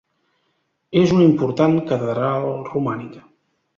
És una important catedral romànica.